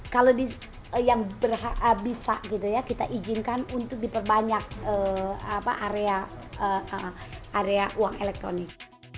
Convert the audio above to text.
kalau yang bisa gitu ya kita izinkan untuk diperbanyak area uang elektronik